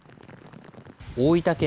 大分県